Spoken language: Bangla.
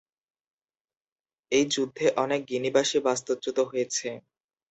এই যুদ্ধে অনেক গিনিবাসী বাস্তুচ্যুত হয়েছে।